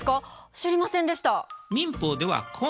知りませんでした。